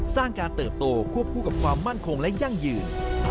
สร้างการเติบโตควบคู่กับความมั่นคงและยั่งยืน